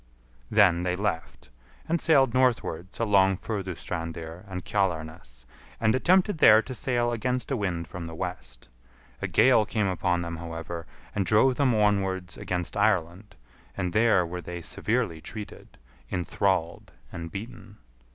Then they left, and sailed northwards along Furdustrandir and Kjalarnes, and attempted there to sail against a wind from the west. A gale came upon them, however, and drove them onwards against Ireland, and there were they severely treated, enthralled, and beaten.